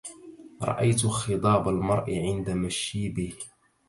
رأيت خضاب المرء عند مشيبه